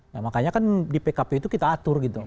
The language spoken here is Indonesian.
nah makanya kan di pkp itu kita atur gitu